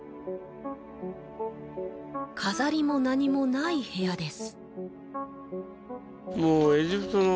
飾りも何もない部屋です